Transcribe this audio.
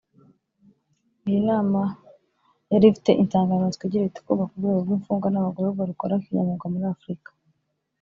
Iyi nama yari ifite insanganyamatsiko igira iti “Kubaka urwego rw’imfungwa n’abagororwa rukora kinyamwuga muri Afurika